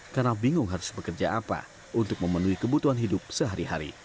karena bingung harus bekerja apa untuk memenuhi kebutuhan hidup sehari hari